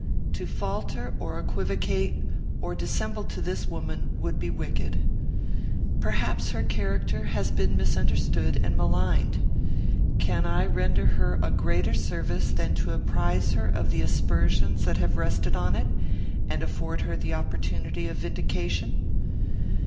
To falter, or equivocate, or dissemble to this woman would be wicked. Perhaps her character has been misunderstood and maligned. Can I render her a greater service than to apprize her of the aspersions that have rested on it, and afford her the opportunity of vindication?